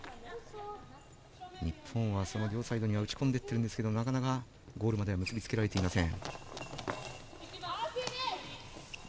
日本は、その両サイドには打ち込んでいってるんですがなかなかゴールには結びついていません。